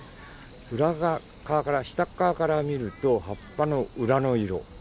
裏側から下側から見ると葉っぱの裏の色。